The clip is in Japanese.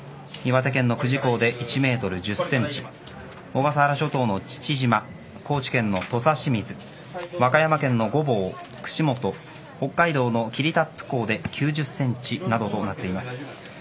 岩手県の久慈港で１メートル１０センチ小笠原諸島の父島高知県の土佐清水和歌山県の御坊、串本北海道の霧多布港で９０センチなどとなっています。